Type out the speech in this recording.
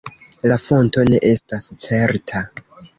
La fonto ne estas certa.